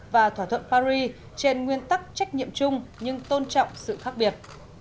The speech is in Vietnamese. và thỏa thuận paris trên nguyên tắc trách nhiệm chung nhưng tôn trọng sự khác biệt